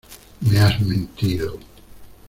¡ me has mentido!